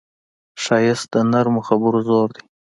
ښایست د نرمو خبرو زور دی